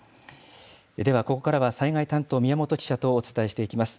では、ここからは災害担当、宮本記者とお伝えしていきます。